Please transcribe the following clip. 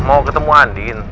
mau ketemu andin